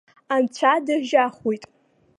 Анцәа дыржьахуеит!